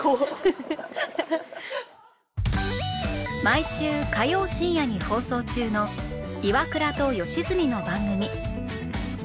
毎週火曜深夜に放送中の『イワクラと吉住の番組』